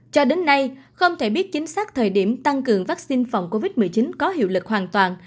cho đến nay không thể biết chính xác thời điểm tăng cường vaccine phòng covid một mươi chín có hiệu lực hoàn toàn